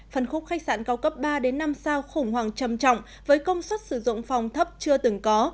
phần khúc khách sạn cao cấp ba năm sao khủng hoảng trầm trọng với công suất sử dụng phòng thấp chưa từng có